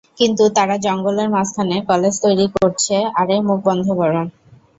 কিন্তু, তারা জঙ্গলের মাঝখানে কলেজ তৈরি করছে - আরে, মুখ বন্ধ কর।